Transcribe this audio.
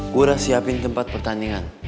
gue udah siapin tempat pertandingan